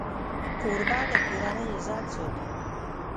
کوربه د کورنۍ عزت ساتي.